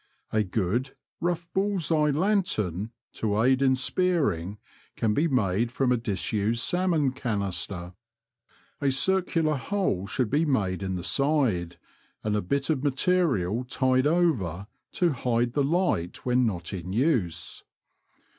A good, rough bulls eye lantern, to aid in spearing, can be made from a disused salmon canister. A circular hole should be made in the side, and a bit of material tied over to hide the light when not in use.